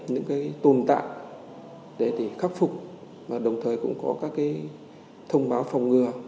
những cái tồn tại để khắc phục và đồng thời cũng có các cái thông báo phòng ngừa